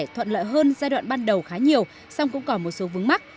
thoạn lợi hơn giai đoạn ban đầu khá nhiều song cũng có một số vướng mắt